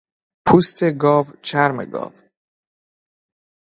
پوست گاو، چرم گاو